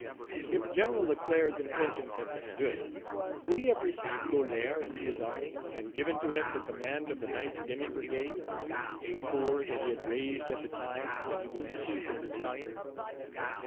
If Gen. Leclerc's intentions had been good, would he have received Golart into his army, and given to him the command of the 9th demi brigade, a corps that he had raised at the time that he was chief of battalion?